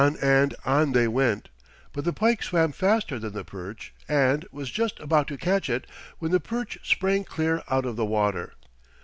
On and on they went, but the pike swam faster than the perch and was just about to catch it when the perch sprang clear out of the water.